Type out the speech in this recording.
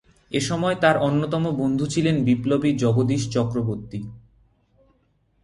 এসময় তার অন্যতম বন্ধু ছিলেন বিপ্লবী জগদীশ চক্রবর্তী।